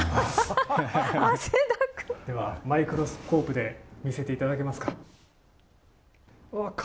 マイクロスコープで見せていただけますか。